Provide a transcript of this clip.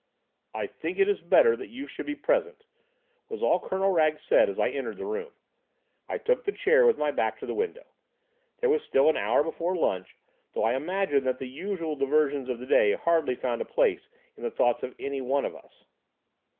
"I think it is better you should be present," was all Colonel Wragge said as I entered the room. I took the chair with my back to the window. There was still an hour before lunch, though I imagine that the usual divisions of the day hardly found a place in the thoughts of any one of us.